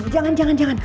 jangan jangan jangan